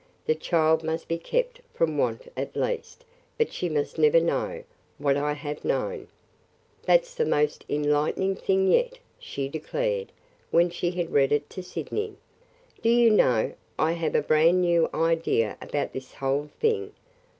The child must be kept from want at least, but she must never know – what I have known.' "That 's the most enlightening thing yet," she declared when she had read it to Sydney. "Do you know, I have a brand new idea about this whole thing.